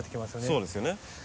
そうですよね。